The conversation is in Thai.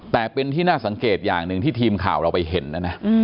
แต่เป็นที่น่าสังเกตอย่างหนึ่งที่ทีมข่าวเราไปเห็นนะนะ